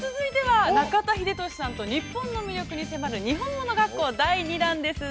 中田英寿さんと、日本の魅力に迫る「にほんもの学校」、第二弾です。